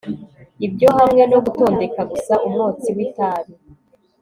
Ibyo hamwe no gutondeka gusa umwotsi witabi